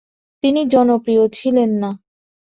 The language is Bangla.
তিনি জনপ্রিয় ছিলেন না।